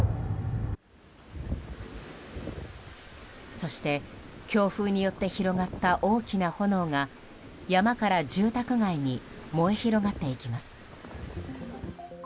そして、強風によって広がった大きな炎が山から住宅街に燃え広がっていきます。